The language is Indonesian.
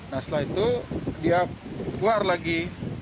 nah setelah itu dia keluar lagi